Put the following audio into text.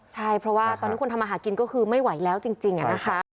ใช่เพราะว่าตอนนี้คนทำมาหากินก็คือไม่ไหวแล้วจริงนะคะ